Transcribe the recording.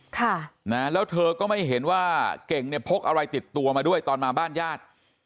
ค่ะนะแล้วเธอก็ไม่เห็นว่าเก่งเนี่ยพกอะไรติดตัวมาด้วยตอนมาบ้านญาติ